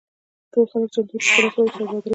ټول خلک چمتو وو چې خپل اسباب ورسره مبادله کړي